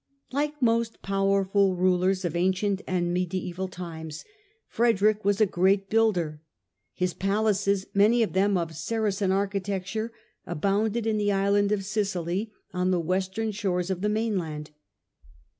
Like most powerful rulers of ancient and mediaeval times, Frederick was a great builder. His palaces, many of them of Saracen architecture, abounded in the island of Sicily on the western shores of the mainland.